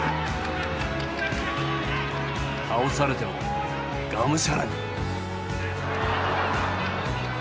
倒されてもがむしゃらに。